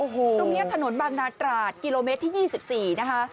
ตรงนี้ถนนบางนาตราดกิโลเมตรที่๒๔นะคะ